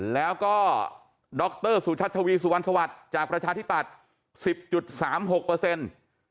แล้วก็ดรสุชัชวีสุวรรณสวัสดิ์จากประชาธิปัตย์๑๐๓๖เปอร์เซ็นต์